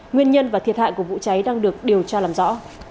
nguyên nhân và thiệt hại của vụ cháy đang được điều tra làm rõ